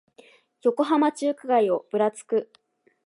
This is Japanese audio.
横浜中華街をぶらつく